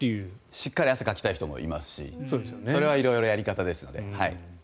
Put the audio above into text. しっかり汗かきたい人もいますしそれは色々やり方なので。